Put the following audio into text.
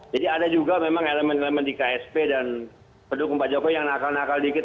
jadi ada juga memang elemen elemen di ksp dan pendukung pak jokowi yang nakal nakal dikit